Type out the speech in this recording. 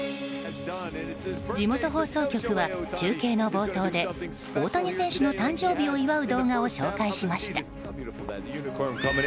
地元放送局は中継の冒頭で大谷選手の誕生日を祝う動画を紹介しました。